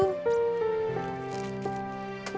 tidak ada yang bisa dikawal